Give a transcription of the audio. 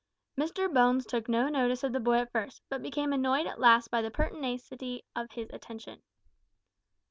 Mr Bones took no notice of the boy at first, but became annoyed at last by the pertinacity of his attention.